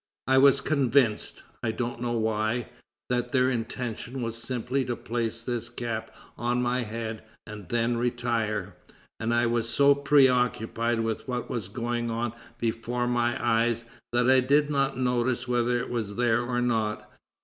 I was convinced, I don't know why, that their intention was simply to place this cap on my head and then retire, and I was so preoccupied with what was going on before my eyes, that I did not notice whether it was there or not.